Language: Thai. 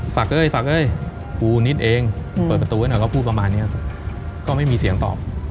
เอ้ยสักเอ้ยปูนิดเองเปิดประตูไว้หน่อยก็พูดประมาณนี้ก็ไม่มีเสียงตอบ